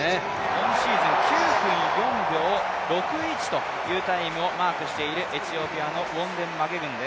今シーズン９分４秒６１というタイムをマークしているエチオピアの選手です。